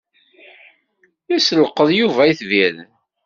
Isselqeḍ Yuba itbiren.